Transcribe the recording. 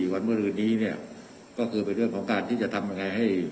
วันเมื่อรืนนี้เนี่ยก็คือเป็นเรื่องของการที่จะทำยังไงให้